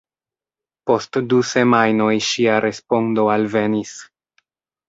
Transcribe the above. Post du semajnoj ŝia respondo alvenis.